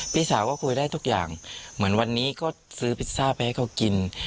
พี่สาวก็คุยได้ทุกอย่างเหมือนวันนี้ก็ซื้อพิซซ่าไปให้เขากิน